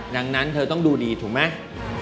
ดังนั้นเธอต้องดูดีถูกไหม